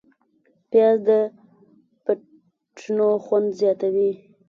پیاز د فټنو خوند زیاتوي